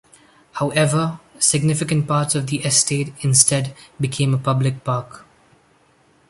However, significant parts of the estate instead became a public park.